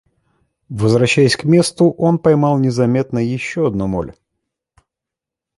Возвращаясь к месту, он поймал незаметно еще одну моль.